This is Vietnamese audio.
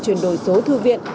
chuyển đổi số thư viện